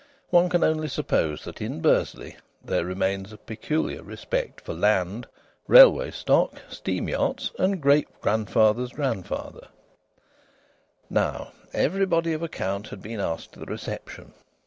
One can only suppose that in Bursley there remains a peculiar respect for land, railway stock, steam yachts, and great grandfathers' grandfathers. Now, everybody of account had been asked to the reception.